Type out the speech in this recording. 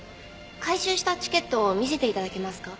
回収したチケットを見せて頂けますか？